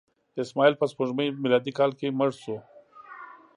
اسماعیل په سپوږمیز میلادي کال کې مړ شو.